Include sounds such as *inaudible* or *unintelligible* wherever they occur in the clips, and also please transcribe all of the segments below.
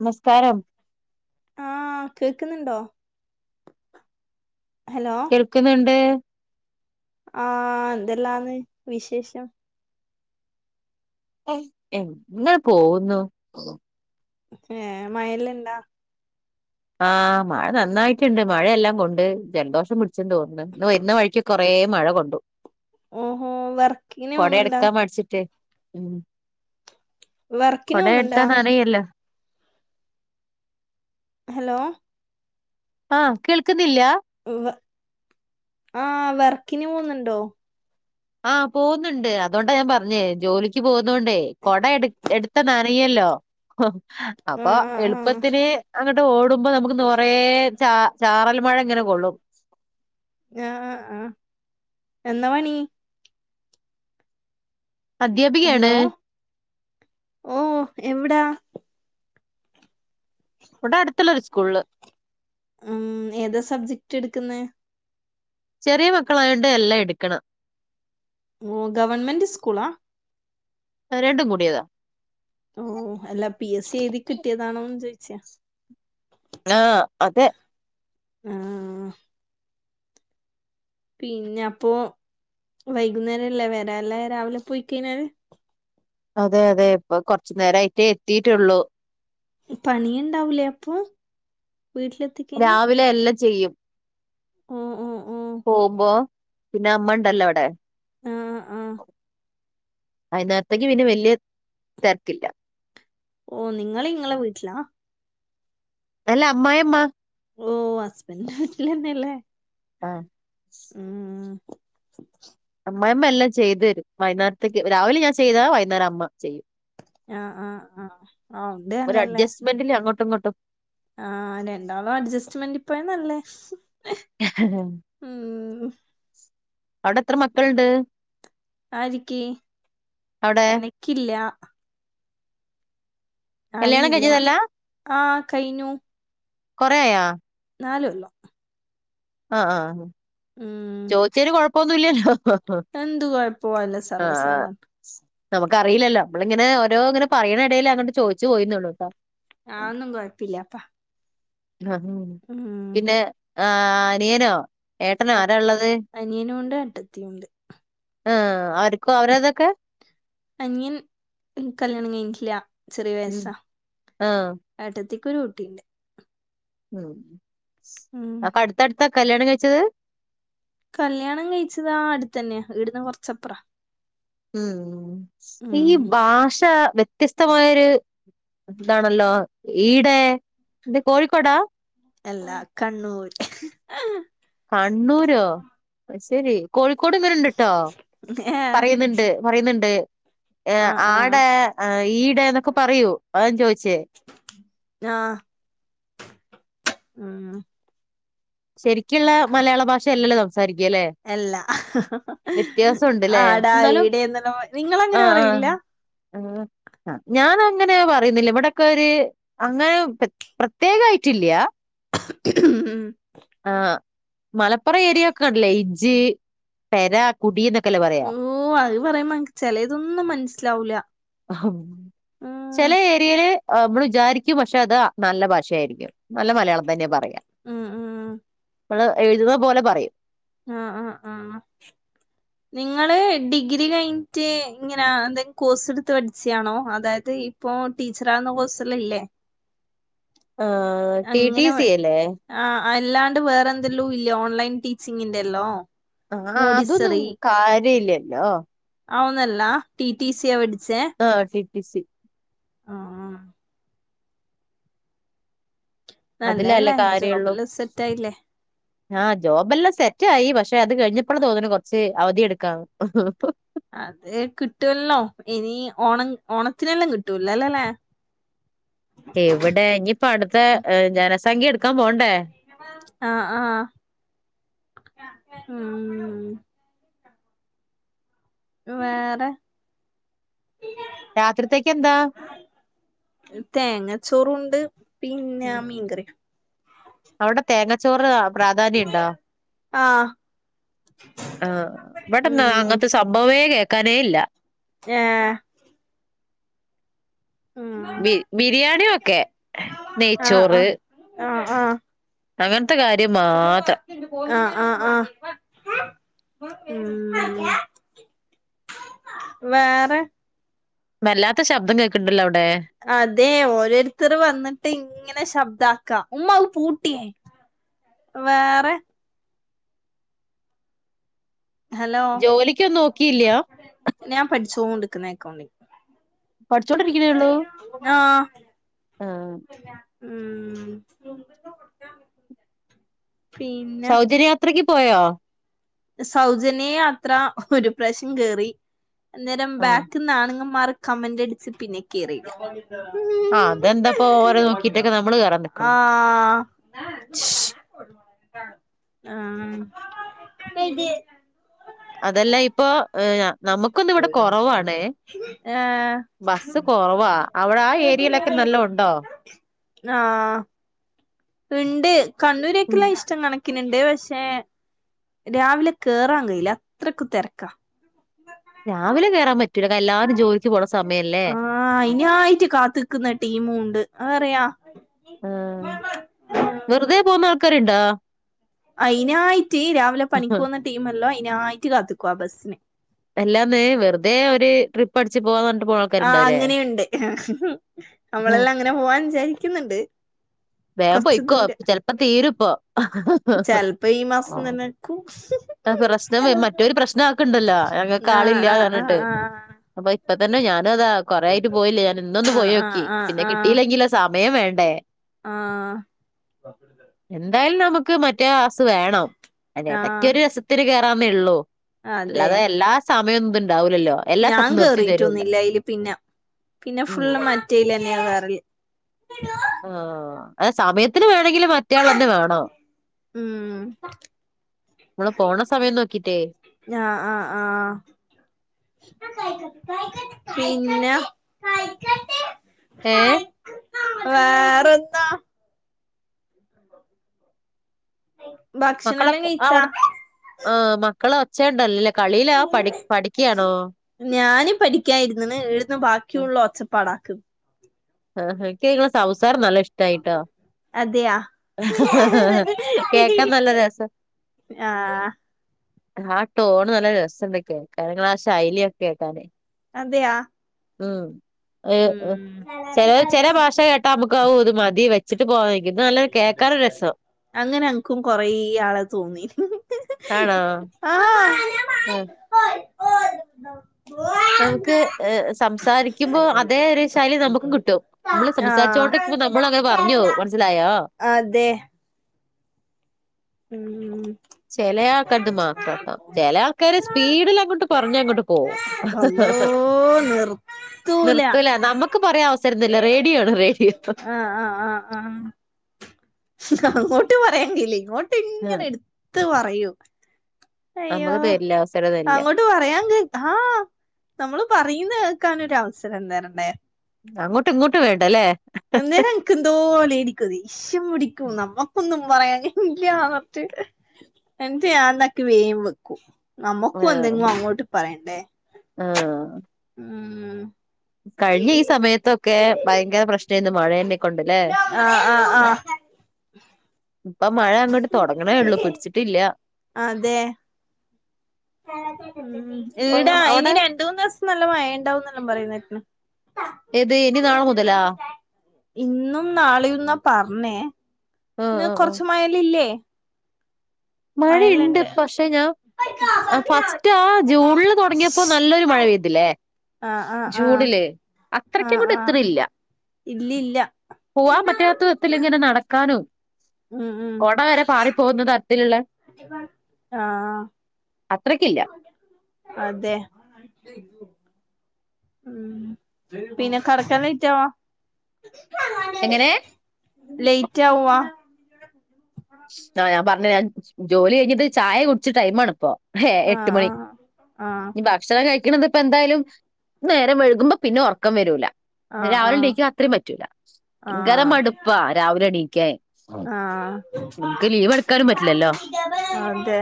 നമസ്കാരം ആഹാ കേക്ക്ന്ന്ണ്ടോ? കേൾക്കുന്ന്ണ്ട് ആഹാ എന്തെല്ലാന്ന് വിശേഷം *unintelligible* എന്ന് പോവുന്നു ഏ മയേല്ലണ്ടാ ആ മഴ നന്നായിട്ട്ണ്ട് മഴയെല്ലാം കൊണ്ട് ജലദോഷം പിടിച്ച്ണ്ടോന്ന്ണ് ഇന്ന് വരുന്ന വഴിക്ക് കൊറേ മഴ കൊണ്ടു ഓഹോ വർക്കിന് കൊട പോന്നുണ്ടാ എടുക്കാൻ മടിച്ചിട്ടെ ഉം വർക്കിന് കൊട എടുത്താ പോന്നുണ്ടാ നനയൊല്ലോ ഹലോ ആഹ് കേൾക്കുന്നില്ല വ്വ് ആ വെർക്കിന് പോവുന്ന്ണ്ടോ ആഹ് പോകുന്നുണ്ട് അതൊണ്ടാ ഞാൻ പറഞ്ഞേ ജോലിക്ക് പോകുന്നോണ്ടേ കൊട എട് എടുത്ത ന നയല്ലോ അപ്പ ആഹ് ആഹ് എളുപ്പത്തിന് അങ്ങട് ട്ട് ഓടുമ്പോ നമുക്ക് കുറേ ച ചാറൽ മഴ ഇങ്ങനെ കൊള്ളും ആഹ് ആഹ് ആഹ് എന്നാ പണീ അദ്ധ്യാപികയാണ് ഓഹ് എവ്ടാ ഇവടെ അടുത്തുള്ളൊരു സ്കൂള്ല് ഉം ഏത് സബ്ജക്ട് എടുക്കുന്നേ ചെറിയ മക്കളായോണ്ട് എല്ലാം യെടുക്കണം ഓഹ് ഗവൺമെന്റ് സ്കൂളാ ആ രണ്ടും കൂടിയതാ ഓഹ് അല്ലാ പി എസ്സി എഴുതി കിട്ടിയതാണോ ചോയിച്ചാ ആ അതെ. ആഹ്. പിന്നെ അപ്പൊ. വൈകുന്നേരല്ലേ വരാല്ലേ രാവിലെ പോയി കഴിഞാൽ അതെ അതെ ഇപ്പൊ കൊറച്ച് നേരായിട്ടേ എത്തിട്ടുള്ളൂ. പണിയുണ്ടാവൂലേ അപ്പോ വീട്ടിലെത്തിക്കന് രാവിലെ എല്ലാം ചെയ്യും. ഉംഉം പോകുമ്പോ പിന്നെ അമ്മ ഉണ്ടല്ലോ അ *unintelligible* ടെ ആ ആ വയിന്നേരത്തേക്ക് പിന്നേ വല്ല്യാ തെരക്കില്ല. ഓ നിങ്ങൾ ഇങ്ങള വീട്ടിലാ അല്ല അമ്മായിമ്മ. ഓ ഹസ്ബന്റെ വീട്ടിലന്നെല്ലേ. ആ *inaudible* അമ്മായിമ്മ എല്ലാം ചെയ്ത് തരും വൈകുന്നേരത്തേക്ക് രാവിലെ ഞാൻ ചെയ്താ വൈകുന്നേരം അമ്മ ചെയ്യും. അഅഅ ഒരു അഡ്ജസ്റ്റ്മെന്റിൽ അങ്ങോട്ട് ഇങ്ങോട്ടും. ആ രണ്ടാളും അഡ്ജസ്റ്റ്മെൻ്റ് പ്പോയാ നല്ലേ. ഉം അഔടെ എത്ര മക്കള്ണ്ട്. ആരിക്കി അവിടെ എനക്കില്ല. കല്യാണം ആയിനില്ല കഴിഞ്ഞതല്ല ആ കയ്ഞ്ഞു. കൊറെയാ നാല്കൊല്ലം. ആ ആ ചോദിചെന് കൊഴപ്പൊന്നുല്ല്യല്ലോ. എന്തുകൊഴപോവല്ല സർവ്വസാധാ *unintelligible* നമുക്ക് അറിയില്ലല്ലോ നമ്മളിങ്ങനെ ഓരോ ങ്ങനെ പറയണ ഇടെല് അങ്ങോട്ട് ചോയിച്ചു പോയിന്നുള്ളൂ ട്ടോ. ആ ന്നും കൊഴപ്പില്ല അപ്പാ. ആഹ് പിന്നെ ആനിയനോ ഏട്ടനോ ആരാ ഉള്ളത് അനിയനും ഉണ്ട് ഏട്ടത്തിയുണ്ട്. ആഹ് അവർക്കോ അവരതൊക്കെ അനിയൻ കല്യാണം കഴിഞ്ഞിട്ടില്യ. ചെറിയ വയസ്സ ഉം ആഹ് ഏട്ടത്തിക്ക് ഒരു കുട്ടിണ്ട്. ഉം അട്ത്തട്ത്താ കല്യാണം കഴിച്ചത്. കല്ല്യാണം കഴിച്ചത് ആ അടുത്തന്നെയാ ഇവിട്ന്ന് കൊറച്ചപ്പറ. ഉം ഈ ഭാഷ വ്യത്യസ്തമായൊര് എന്താണല്ലോ ഈടെ ഇത് കോഴിക്കോടാ. എല്ലാ കണ്ണൂര്. കണ്ണൂരോ അഹ്സരി കോഴിക്കോട്ങ്ങനെണ്ട്ട്ടോ ഏ പറയുന്ന്ണ്ട് പറയുന്ന്ണ്ട്. ഏ ആ ആ ആടെ ഈടെന്നൊക്കെ പറയൂ അതാ ഞാൻ ചോയിച്ചേ. ആ ഉം ഉം ശരിക്കുള്ള മലയാള ഭാഷ അല്ലല്ലോ സംസാരിക്യാല്ലേ എല്ലാ ഉണ്ട്ല്ലേ ആടാ എന്നാലും ഈടെന്നെല്ലാം നിങ്ങ അങ്ങനെ പറയില്ല ആ ഞാന അങ്ങനെ പറയുന്നില്ല ഇവിടെക്കൊരു അങ്ങനെ പ്രത്യേകയായിറ്റില്ലാ ക്ക്‌ ഉം ആ മലപ്പുറം ഏരിയൊക്കയില്ലേ ഇജ്ജ് പെര കുടി ന്നൊക്കെ ഓ അത് പറയുമ്പോ ചെലതൊന്നും മനസ്സിലാവൂല്ല ചില ഏരിയേല് മ്മള് വിചാരിക്കും പക്ഷെ അത് നല്ല ഭാഷയായിരിക്കും നല്ല മലയാളം തന്നെ പറയാം ഉം ഉം ഉം നമ്മള് എഴുതുന്ന പോലെ പറയും ആ ആ ആ ആഹ് നിങ്ങള് ഡിഗ്രി കഴിഞ്ഞിറ്റ് ഇങ്ങനെ എന്തെങ്കിലും കോഴ്സ് എടുത്ത് പഠിച്ചയാണോ അതായത് ഇപ്പൊ ടീച്ചറാവ്ന്നാ കോഴ്സെല്ലാമില്ലേ ആ ടി ടി സി വ- അല്ലേ ആ അല്ലാണ്ട് വേറെ എന്തെല്ലും ഇല്ല ഓൺലൈൻ ടീച്ചിങ്ങിന്റെല്ലോം ആ അതൊന്നും കാര്യയില്ലല്ലോ ഔന്നല്ല ടി ടി സി യാ പഠിച്ചേ ആഹ് ടി സി ആ ആ അതിലല്ലേ നല്ലല്ലേ കാര്യള്ളൂ ജോബില് സെറ്റ് ആയില്ലേ ആ ജോബെല്ലാം സെറ്റ് ആയി പക്ഷെ അത് കഴിഞ്ഞപ്പോള് തോന്നുന്നു കൊറച്ച് അവധിയെടുക്കാന്നു അത് കിട്ടുവല്ലോ ഇനി ഓണം ഓണത്തിനെല്ലാം കിട്ടൂലല്ലോല്ലെ എവിടെ ഇനിയിപ്പോ അടുത്ത ജനസംഖ്യ എടുക്കാൻ പോണ്ടേ ആ ആ ഉം വേറെ രാത്രിത്തേക്ക് എന്താ തേങ്ങ ചോറുണ്ട് പിന്നെ ഉം. മീൻകറിയും അവിടെ തേങ്ങച്ചോറ് പ്രാധാന്യുണ്ടോ ആ ആ ഇവ്ട്ന്നാ അങ്ങത്ത സംഭവേ കേൾക്കാനേയില്ല. ഏ ബി ബിരിയാണി ഓക്കെ. ആ ആഹ ആആ അങ്ങനത്തെ കാര്യം മാത്രം അ ആ ആ ഉം വേറെ വല്ലാത്ത ശബ്ദം കേൾക്ണ്ടല്ലോ അ *unintelligible* അതെ ഓരോരുത്തർ വന്ന്ട്ട്ങ് *unintelligible* ങ്ങനെ ശബ്ദാക്കാ ഉമ്മാ ഔന്ന് പൂട്ടി വേറെ. ഹലോ ജോലിക്കൊന്നും നോക്കിയില്ല ഞാൻ പഠിചോണ്ടിക്കുന്നു അക്കൗണ്ടിങ്ങ് പഠിച്ചോണ്ടിരിക്കുന്നെയുള്ളൂ ഉം പിന്നെ സൗജന്യയാത്രക്ക് പോയോ സൗജന്യയാത്ര ഒരു പ്രാവശ്യം കേറി അന്നേരം ആഹ് ബാക്കിന്നാണുങ്ങന്മാർ കമന്റ് അടിച്ച് പിന്നെ കേറില്ല ആഹ് അതെന്താപ്പോ ഓരെ നോക്കിട്ടൊക്കെ നമ്മള് കേറാൻ ആ നിക്കണം ആ അതെല്ലാം ഇപ്പൊ ഏആ നമുക്കൊന്നിവിടെ കൊറവാണ് ഏഹ് ബസ് കൊറവാ അവിടെ ആ ഏരിയയിലൊക്കെ നൽ നല്ല ഒണ്ടോ ആ ഇണ്ട് ഉം കണ്ണൂരൊക്കെല്ലാ ഇഷ്ടം കണക്ക പക്കിനുണ്ട് പക്ഷെ രാവിലെ കേറാൻ കഴിയില്ല അത്രക്ക് തെരക്കാ രാവിലെ കേറാൻ പറ്റൂല എല്ലാരും ജോലിക്ക് പോണ സമയമല്ലേ ആ അയിനാട്ട് കാത്തിക്കുന്ന ടീമുമുണ്ട് അതറിയാ ആ വെറുതെ പോകുന്നാൾക്കാരുണ്ടോ അയിനായിട്ടേ രാവിലെ പണിക്കു പോന്ന ടീമല്ലോ അയിനായിട്ട് കാത്തിക്കും ആ ബസ്സിന് എല്ലാന്നേ വെറുതെ ഒരു ട്രിപ്പ് അടിച്ച് പോകാ ആ അങ്ങനെയുണ്ട് നമ്മളെല്ലാം അങ്ങനെ പോവാൻ വിചാരിക്കുന്നുണ്ട് വേഗം കൊറച്ച് പോയ്ക്കോ ചെലപ്പം തീരുയിപ്പോ ചെലപ്പം ഈ മാസം തന്നേ ക്കൂ പ്രശ്നം മറ്റോരെ പ്രശ്നം ആക്കണ്ടല്ലോ ആഹ് ഞങ്ങക്കാളില്ല ആഹ് ആഹ് പറഞ്ഞിട്ട് ആഹ് അപ്പൊ ഇപ്പം തന്നെ ഞാനതാ കൊറേ ആയിട്ട് പോയില്ലേ ഞാൻ ഇന്നൊന്ന് ആഹ് ആഹ് പോയോക്കി പിന്നെ കിട്ടിയില്ലെങ്കിലോ സമയം വേണ്ടേ ആ എന്തായാലും നമുക്ക് മറ്റേ ആസ്സു വേണം അതിന്റെ എട ആഹ് ഇത്തിരി കേറാമേ ഉള്ളൂ അതെ അല്ലാതെ എല്ലാ സമയം ഇതി ഞാൻ കേറിട്ടൊന്നില്ല അതില് പിന്നെ പിന്നെ ഉം ഫുള്ള് മറ്റേൽ തന്നെയാ കേറൽ ആ അ സമയത്തിന് വേണെങ്കിലും മറ്റയാൾ തന്നെ വേണം ഉം നമ്മളു പോണ സമയം നോക്കീട്ടേ പിന്നാ ഏ വേറെന്താ ഭക്ഷണെല്ലാം മക്കളൊക്കെ കഴിച്ചാ അവിടെ ആ മക്കളോ ച്ചയെണ്ടല്ലല്ലേ കളിയിലാ പഠി പഠിക്കയാണോ ഞാനും പഠിക്കായായിരുന്നണെ എഴുന്ന ഉം. ബാക്കിയുള്ള ഒച്ചപ്പാടാക്കും ആ എനിക്ക് നിങ്ങളെ സംസാരം നല്ല ഇഷ്ടായിട്ടോ അതെയാ കേക്കാൻ നല്ല രസ ആ ആ ടോണ് നല്ല രസയുണ്ട് കേക്കാനെ നിങ്ങടെ ശൈലിയൊക്കെ കേക്കാനേ അതെയാ ഉം ഉം ചെല ചെല ഭാഷ കേട്ടാ നമ്മക്ക് ഒരു മതി വെച്ചിട്ട് പോകാൻ നല്ല കേക്കാനൊരു രസം അങ്ങനങ്ങക്കും കൊറേ ആളെ തോന്നി ആണോ ആ ഓ നമുക്ക് ഏ സംസാരിക്കുമ്പോ അതേ ഒരു ശൈാലി നമുക്കും കിട്ടും നമ്മള് സംസാരിച്ചോണ്ട് അപ്പം നമ്മളും അങ്ങനെ പറഞ്ഞു പോകും മനസ്സി അതെ ഉം ചില ആൾകാര് മാത്രട്ടോ ചില ആൾക്കാരെ സ്പീഡിൽ അങ്ങോട്ട് പറഞ്ഞ് അങ്ങോട്ട് പോവും അള്ളോ ആഹഹാ നിർത്തൂല നിർത്തൂല നമുക്ക് പറയാൻ അവസരം തരില്ല റേഡിയോ ആണ് റേഡിയോ. *inaudible* ആഹ് ആഹ് ആഹ് ആഹ് അങ്ങോട്ട് പറയാണ്ടില്ല ഇങ്ങോട്ട് ആ ഇങ്ങനെ എടുത്ത് പറയും. അയ്യോ നമുക്ക് തരില്ല അവസരം തരില്ല അങ്ങോട്ട് പറയാങ്കി ആ നമ്മള് പറയുന്ന ക്കാനൊരവസരം തരണ്ടേ. അങ്ങോട്ടും ഇങ്ങോട്ടും വേണ്ടല്ലേ? അന്നേരം എനക്ക് എന്തോലെ ഇടിക്കും ദേശ്യം പിടിക്കും നമ്മക്കൊന്നും പറയാനുമില്ലന്നട്ട് എന്തേയ്യാന്നക്ക് വേം വെക്കും. നമ്മക്കും ആഹ് എന്തെങ്കും അങ്ങോട്ട് പറയണ്ടേ? ആഹ് ഉം കഴിഞ്ഞ ഈ സമയത്തൊക്കെ ഭയങ്കര പ്രശ്നാന്ന് മഴായ്നെ കൊണ്ടല്ലേ? ആഹ് ആഹ് ആ ആഹ് ഇപ്പ മഴ അങ്ങോട്ട് തുടങ്ങണേള്ളു പിടിച്ചിട്ടില്ല. അതെ അപ്പൊ ഈടാ ഇനി അവിടെ രണ്ടൂനോസം നല്ല മഴ ഉണ്ടാവന്നല്ലാം പറയുന്നട്ടണ്. എത് ഇന്നും നാളെയുന്നാ പറഞ്ഞേ. ആഹ് ഇന്ന് ആഹ് കൊറച്ച് മയല ഇല്ലേ? മഴുണ്ട് പക്ഷെ ഞാ ഫസ്റ്റ് ആ ജൂണില് തുടങ്ങിയപ്പോ നല്ലൊരു മഴ പെയ്തില്ലേ? ആഹ് ആഹ് ആഹ് ആഹ് അത്രയ്ക്കുംങ്ങോട്ട് ആഹ് എത്തണില്ല ഇല്ലില്ല പോവാൻ പറ്റാത്തതിങ്ങനെ നടക്ക താനു ഉം ഉം കൊടവരെ പാറി പോകുന്നത് ആഹ് അത്രക്കില്ല അതെ. ഉം പിന്നെ കെടക്കാൻ ലേറ്റവോ? എങ്ങനെ? ലേറ്റ്യാവാ? ആഹ് ഞാൻ പറഞ്ഞ ഞാൻ ജോലി കഴിഞ്ഞിട്ട് ചായ കുടിച്ച ടൈമാണിപ്പോ. ഹേ ആഹ് എട്ട് മണി ആഹ് ആഹ് ഇനി ഭക്ഷണ കൈ ന്ന്പ്പെന്തായാലും നേരം വൈകുമ്പോ പിന്ന ഒർക്കം വരൂല. ആഹ് രാവിലെ ആഹ് ണീക്കാൻ അത്രയും പറ്റൂല ഭയങ്കര ആഹ് മടുപ്പാ രാവിലെ എണീക്കാൻ. ആഹ് നമുക്ക് ലീവ് എടുക്കാനും പറ്റില്ലല്ലോ അതേ.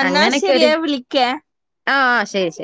എന്നാ അങ്ങനെയൊക്കെ ശെരി ഒരു ഏ വിളിക്കെ. ആ ശരി ശരി